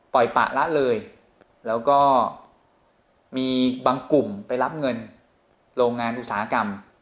ปะละเลยแล้วก็มีบางกลุ่มไปรับเงินโรงงานอุตสาหกรรม